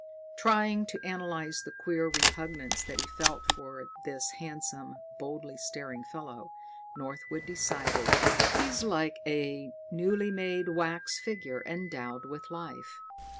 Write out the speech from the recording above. Trying to analyze the queer repugnance that he felt for this handsome, boldly staring fellow, Northwood decided: "He's like a newly made wax figure endowed with life."